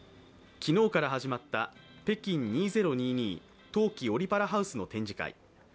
昨日から始まった北京２０２２冬季オリパラハウスの展示会。